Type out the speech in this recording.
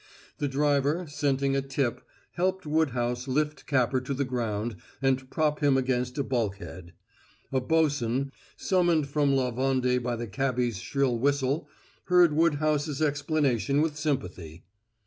The driver, scenting a tip, helped Woodhouse lift Capper to the ground and prop him against a bulkhead. A bos'n, summoned from La Vendée by the cabby's shrill whistle, heard Woodhouse's explanation with sympathy.